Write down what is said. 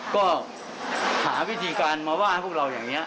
ก็หาวิธีการมาว่าพวกเราอย่างนี้